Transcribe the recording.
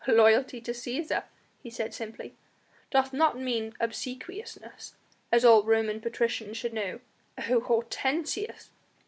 "Loyalty to Cæsar," he said simply, "doth not mean obsequiousness, as all Roman patricians should know, oh Hortensius!"